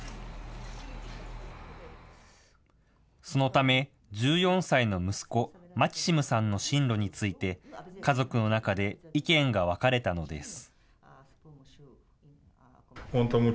そのため１４歳の息子、マキシムさんの進路について、家族の中で意見が分かれたのです。